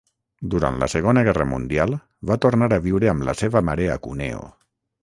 Durant la Segona Guerra Mundial va tornar a viure amb la seva mare a Cuneo.